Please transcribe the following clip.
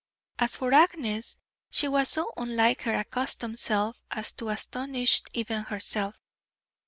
As for Agnes, she was so unlike her accustomed self as to astonish even herself.